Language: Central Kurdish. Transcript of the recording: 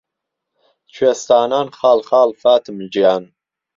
کوێستانان خاڵ خاڵ فاتم گیان